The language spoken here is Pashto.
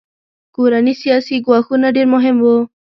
کورني سیاسي ګواښونه ډېر مهم وو.